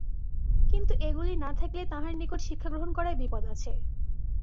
কিন্তু এগুলি না থাকিলে তাঁহার নিকট শিক্ষা গ্রহণ করায় বিপদ আছে।